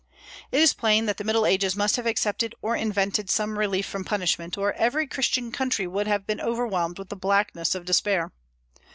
It is plain that the Middle Ages must have accepted or invented some relief from punishment, or every Christian country would have been overwhelmed with the blackness of despair.